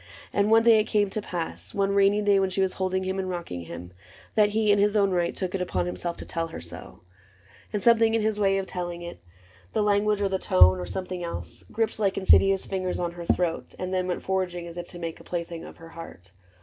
And one day it came to pass — One rainy day when she was holding him And rocking him — that he, in his own right. Took it upon himself to tell her so ; And something in his way of telling it — The language, or the tone, or something else — Gripped like a baby's fingers on her throat. 112 AUNT IMOGEN And then went feeling through as if to make A plaything of her heart.